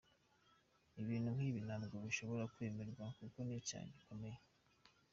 Ibintu nkibi ntabwo bishobora kwemerwa kuko ni icyaha gikomeye.